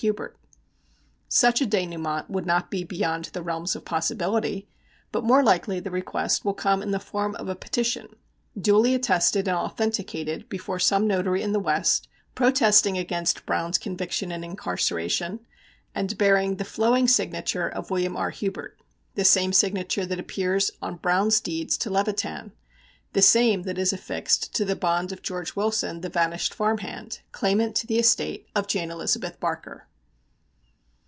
Hubert such a dénouement would not be beyond the realms of possibility, but more likely the request will come in the form of a petition, duly attested and authenticated before some notary in the West, protesting against Browne's conviction and incarceration, and bearing the flowing signature of William R. Hubert the same signature that appears on Browne's deeds to Levitan the same that is affixed to the bond of George Wilson, the vanished farmhand, claimant to the estate of Jane Elizabeth Barker.